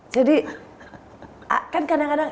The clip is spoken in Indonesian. jadi kan kadang kadang